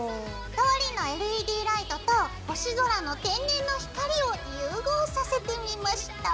通りのＬＥＤライトと星空の天然の光を融合させてみました。